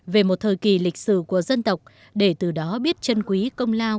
về một thời kỳ lịch sử của dân tộc để từ đó biết chân quý công lao